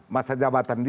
masa jabatan dia